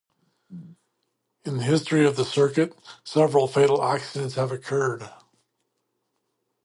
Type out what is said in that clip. In the history of the circuit, several fatal accidents have occurred.